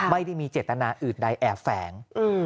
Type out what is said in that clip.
ไม่ได้มีเจตนาอื่นใดแอบแฝง